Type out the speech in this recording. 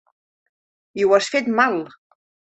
I ho has fet mal!